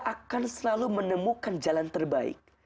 akan selalu menemukan jalan terbaik